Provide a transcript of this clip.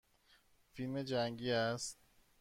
فیلم جنگی است.